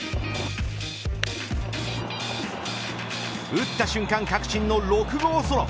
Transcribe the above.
打った瞬間、確信の６号ソロ。